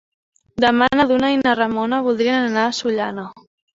Demà na Duna i na Ramona voldrien anar a Sollana.